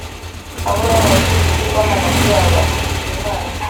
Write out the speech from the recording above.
aburahamu yasize ibigirwamana byiwabo akurikira imana